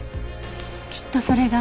きっとそれが。